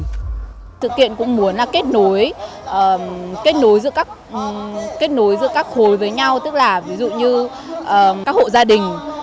sự kiện cũng muốn kết nối giữa các khối với nhau tức là ví dụ như các hộ gia đình